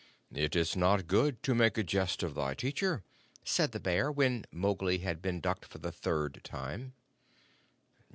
"It is not good to make a jest of thy teacher," said the bear, when Mowgli had been ducked for the third time.